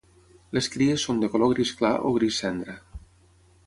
Les cries són de color gris clar o gris cendra.